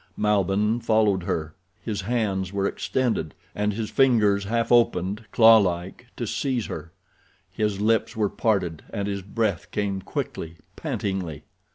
Malbihn followed her. His hands were extended and his fingers half opened—claw like—to seize her. His lips were parted, and his breath came quickly, pantingly.